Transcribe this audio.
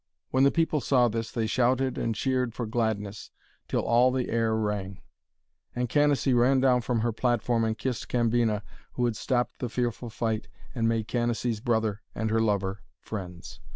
When the people saw this, they shouted and cheered for gladness till all the air rang. And Canacee ran down from her platform and kissed Cambina, who had stopped the fearful fight and made Canacee's brother and her lover friends.